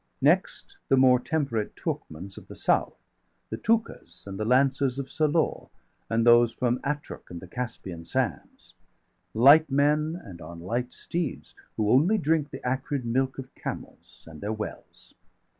° °120 Next, the more temperate Toorkmuns° of the south, °121 The Tukas,° and the lances of Salore, °122 And those from Attruck° and the Caspian sands; °123 Light men and on light steeds, who only drink The acrid milk of camels, and their wells.